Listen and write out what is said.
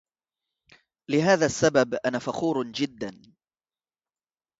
لهذا السبب أنا فخور جدًا